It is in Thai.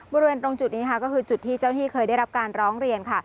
บริเวณตรงจุดนี้ค่ะก็คือจุดที่เจ้าหน้าที่เคยได้รับการร้องเรียนค่ะ